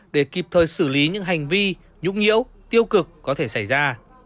để kịp thời xử lý những hành vi nhũng nhiễu tiêu cực có thể xảy ra